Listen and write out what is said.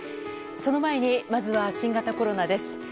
その前にまずは新型コロナです。